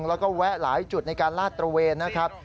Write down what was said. แล้วก็แวะหลายจุดในการลาดตระเวนนะครับ